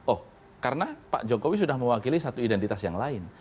oh karena pak jokowi sudah mewakili satu identitas yang lain